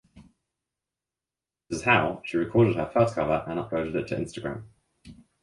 This is how she recorded her first cover and uploaded it to Instagram.